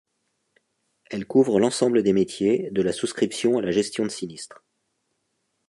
Elle couvre l'ensemble des métiers, de la souscription à la gestion de sinistre.